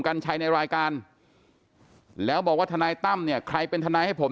กัญชัยในรายการแล้วบอกว่าทนายตั้มเนี่ยใครเป็นทนายให้ผม